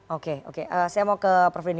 oke oke saya mau ke prof denn